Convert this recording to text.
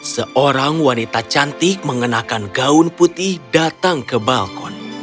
seorang wanita cantik mengenakan gaun putih datang ke balkon